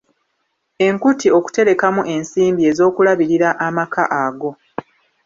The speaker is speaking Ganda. Enkuti okuterekamu ensimbi ez’okulabirira amaka ago.